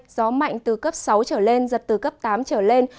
gió mạnh từ cấp sáu trở lên giật từ cấp tám trở lên